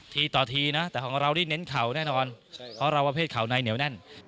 ทีต่อทีนะแต่ของเรานี่เน้นเข่าแน่นอนเพราะเราประเภทเข่าในเหนียวแน่น